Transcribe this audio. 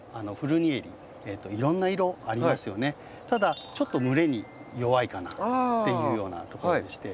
ただちょっと蒸れに弱いかなっていうようなところでして。